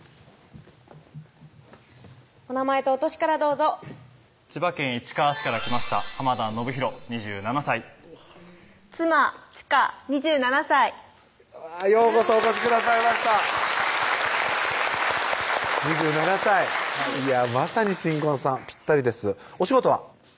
お名前とお歳からどうぞ千葉県市川市から来ました浜田惟寛２７歳妻・千佳２７歳ようこそお越しくださいました２７歳まさに新婚さんぴったりですお仕事は？